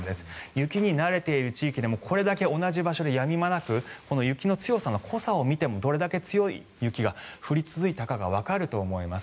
雪に慣れている地域でもこれだけ同じ場所でやみ間なく雪の強さの濃さを見てもどれだけ強い雪が降り続いたかがわかると思います。